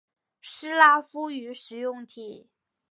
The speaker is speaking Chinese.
斯拉夫语使用体。